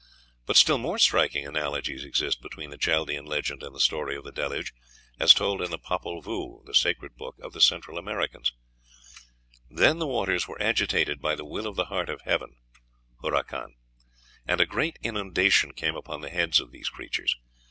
But still more striking analogies exist between the Chaldean legend and the story of the Deluge as told in the "Popul Vuh" (the Sacred Book) of the Central Americans: "Then the waters were agitated by the will of the Heart of Heaven (Hurakan), and a great inundation came upon the heads of these creatures....